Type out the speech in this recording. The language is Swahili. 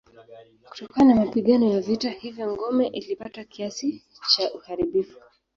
Kutokana na mapigano ya vita hivyo ngome ilipata kiasi cha uharibifu.